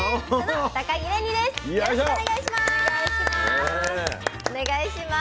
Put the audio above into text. よろしくお願いします。